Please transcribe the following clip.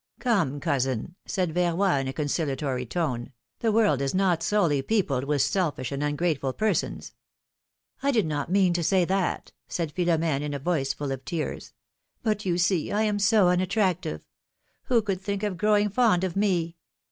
^^ ^^Come, cousin, said Verroy, in a conciliatory tone, the world is not solely peopled with selfish and ungrateful persons." I did not mean to say that," said Philom^ne, in a voice full of tears; but, you see, I am so unattractive! Who could think of growing fond of me?